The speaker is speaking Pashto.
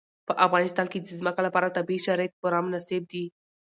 په افغانستان کې د ځمکه لپاره طبیعي شرایط پوره مناسب دي.